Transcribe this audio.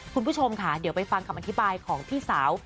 คุณผู้ชมค่ะเดี๋ยวไปฟังคำอธิบายของพี่สาว